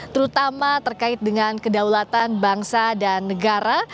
terutama terkait dengan kedaulatan bangsa dan negara